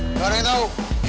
nggak ada yang tahu